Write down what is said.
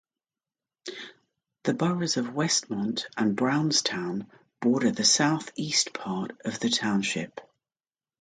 The boroughs of Westmont and Brownstown border the southeast part of the township.